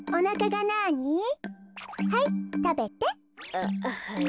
あっはい。